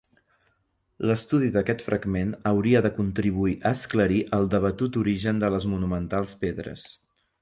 L'estudi d'aquest fragment hauria de contribuir a esclarir el debatut origen de les monumentals pedres.